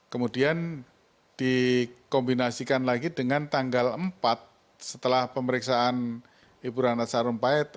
kemudian dikombinasikan lagi dengan tanggal empat setelah pemeriksaan ibu rana sarumpait